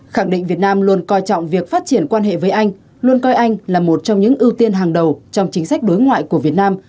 khẳng định việt nam luôn coi trọng việc phát triển quan hệ với anh luôn coi anh là một trong những ưu tiên hàng đầu trong chính sách đối ngoại của việt nam